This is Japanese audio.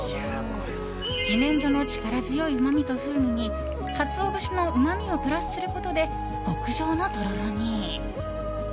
自然薯の力強いうまみと風味にカツオ節のうまみをプラスすることで極上のとろろに。